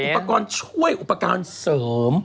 อุปกรณ์ช่วยอุปกรณ์เสริม